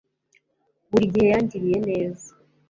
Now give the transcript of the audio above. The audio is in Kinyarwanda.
buri gihe yangiriye neza